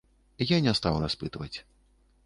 Я не стаў распытваць.